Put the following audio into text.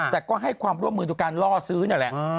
แต่ก็ให้ความร่วมมือในการล่อซื้อนั่นแหละ